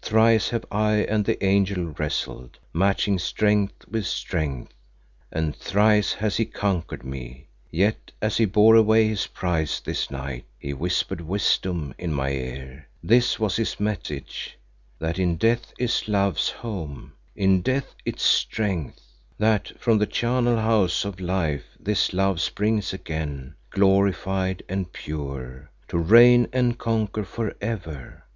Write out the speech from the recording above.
Thrice have I and the angel wrestled, matching strength with strength, and thrice has he conquered me. Yet as he bore away his prize this night he whispered wisdom in my ear. This was his message: That in death is love's home, in death its strength; that from the charnel house of life this love springs again glorified and pure, to reign a conqueror forever.